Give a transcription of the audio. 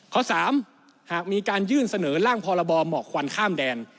ข้อ๓หากมีการยื่นเสนอร่างพรบหมอกควันข้ามแดน